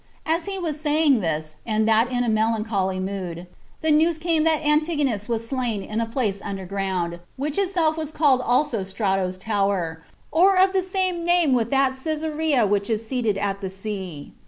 As he was saying this, and that in a melancholy mood, the news came that Antigonus was slain in a place under ground, which itself was called also Strato's Tower, or of the same name with that Cæsarea which is seated at the sea.